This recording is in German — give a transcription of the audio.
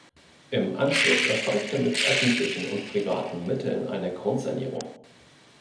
Im Anschluss erfolgte mit öffentlichen und privaten Mitteln eine Grundsanierung.